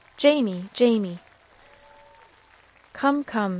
Jamie, Jamie!" "Come, come!"